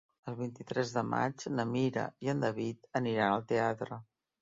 El vint-i-tres de maig na Mira i en David aniran al teatre.